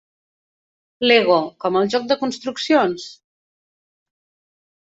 Lego, com el joc de construccions?